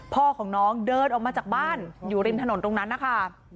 พ่อของน้องเดินออกมาจากบ้านอยู่ริมถนนตรงนั้นนะคะ